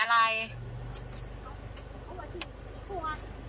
เอามาจริงหัว